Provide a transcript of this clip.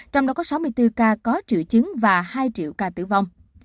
trong đó có sáu mươi bốn ca có triệu chứng và hai triệu ca tử vong